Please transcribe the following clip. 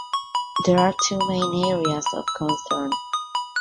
There are two main areas of concern.